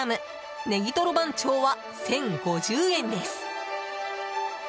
ねぎとろ番長は１０５０円です。